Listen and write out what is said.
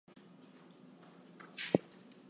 York is home to the Coleman Center for Arts and Culture.